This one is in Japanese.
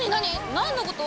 何のこと？